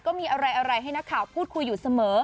ก็มีอะไรให้นักข่าวพูดคุยอยู่เสมอ